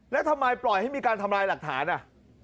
แล้วทำไมปล่อยให้มีการทำลายหลักฐานอ่ะ